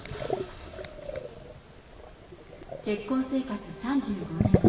結婚生活３５年。